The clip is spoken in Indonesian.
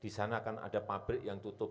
di sana akan ada pabrik yang tutup